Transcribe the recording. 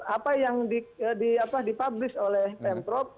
apa yang dipublis oleh pemprov